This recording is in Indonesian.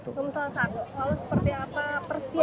apakah suara milenial menjadi salah satu